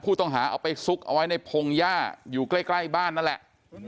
เอาไปซุกเอาไว้ในพงหญ้าอยู่ใกล้บ้านนั่นแหละ